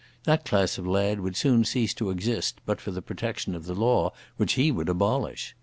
That class of lad would soon cease to exist but for the protection of the law which he would abolish.